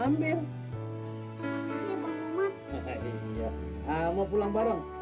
mau pulang bareng